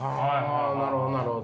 なるほどなるほど。